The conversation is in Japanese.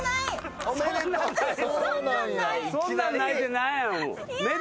そんなんないって何や。